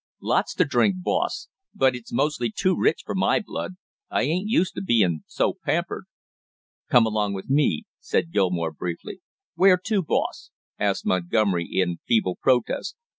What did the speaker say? "Lots to drink, boss, but it's mostly too rich for my blood. I ain't used to bein' so pampered." "Come along with me!" said Gilmore briefly. "Where to, boss?" asked Montgomery, in feeble protest.